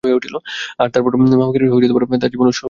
আর তারপর আমাকে মারার চেষ্টায় সে তার জীবন উৎসর্গ করেছিল।